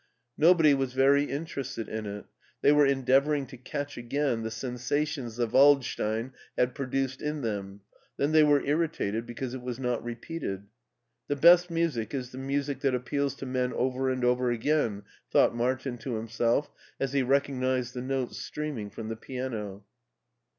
Nobody was very interested in it ; they were endeavoring to catch again the sensations the "Waldstein" had produced in them, then they were irritated because it was not re peated. " The best music is the music that appeals to men over and over again," thought Martin to himself as he recognizee! the notes streaming from the piano.